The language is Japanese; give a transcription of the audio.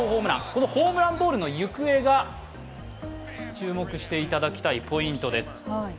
このホームランボールの行方が注目していただきたいポイントです。